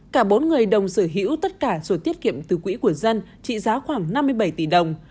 cả bốn người đồng sở hữu tất cả sổ tiết kiệm từ quỹ của dân trị giá khoảng năm mươi bảy tỷ đồng